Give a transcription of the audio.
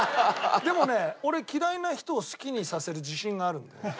でもね俺嫌いな人を好きにさせる自信があるんだよね。